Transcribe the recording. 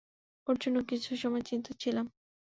ওর জন্য কিছু সময় চিন্তিত ছিলাম।